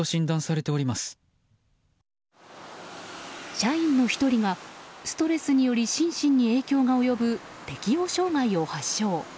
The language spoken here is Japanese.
社員の１人がストレスにより心身に影響が及ぶ適応障害を発症。